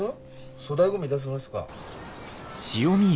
粗大ゴミ出しますか？